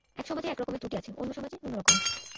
এক সমাজে এক রকমের ত্রুটি আছে, অন্য সমাজে অন্য রকমের।